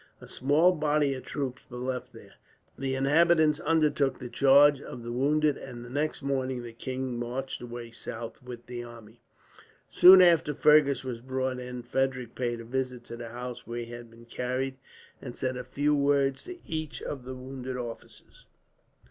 A small body of troops was left there. The inhabitants undertook the charge of the wounded, and the next morning the king marched away south, with the army. Soon after Fergus was brought in, Frederick paid a visit to the house where he had been carried, and said a few words to each of the wounded officers.